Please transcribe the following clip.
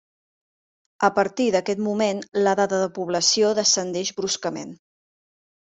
A partir d'aquest moment, la dada de població descendeix bruscament.